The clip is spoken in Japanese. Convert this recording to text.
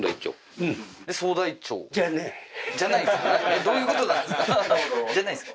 どういうことなんですか？